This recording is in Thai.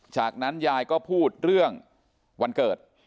จากนั้นยายก็พูดเรื่องวันเกิด